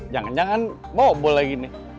jangan jangan bawa bola gini